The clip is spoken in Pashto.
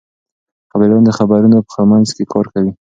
خبریالان د خطرونو په منځ کې کار کوي.